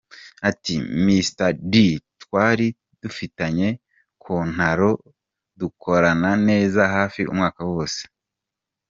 Ati “ Mr D twari dufitanye kontaro, dukorana neza hafi umwaka wose.